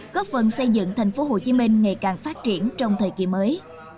góp phần xây dựng tp hcm ngày càng phát triển trong thời kỳ mới